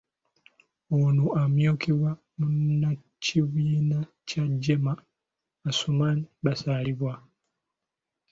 Ono amyukibwa munnakibiina kya JEEMA, Asuman Basalirwa.